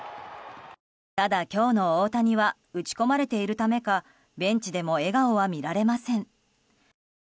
ただ、今日の大谷は打ち込まれているためかベンチでも笑顔は見られません。